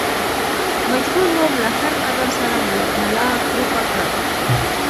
مجبور ووم له هر قدم سره ملا کړوپه کړم.